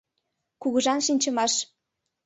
Кугыжан шинчымаш